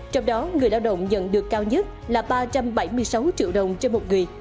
trong đó người lao động nhận được cao nhất là ba trăm bảy mươi sáu triệu đồng trên một người